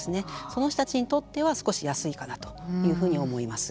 その人たちにとっては少し安いかなというふうに思います。